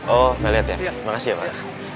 oh ngelihat ya makasih ya pak